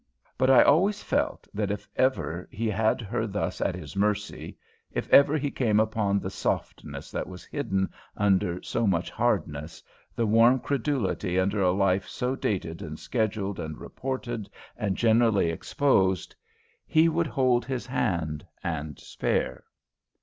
But I always felt that if ever he had her thus at his mercy, if ever he came upon the softness that was hidden under so much hardness, the warm credulity under a life so dated and scheduled and "reported" and generally exposed, he would hold his hand and spare.